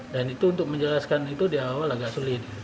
dan itu untuk menjelaskan itu di awal agak sulit